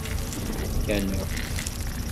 Fkant-aɣ-t.